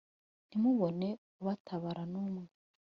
ntimubone ubatabara numwe